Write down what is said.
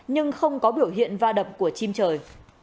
nhưng không có biểu hiện va đập của chim trời